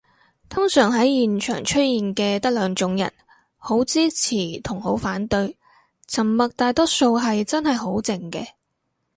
通常喺現場出現嘅得兩種人，好支持同好反對，沉默大多數係真係好靜嘅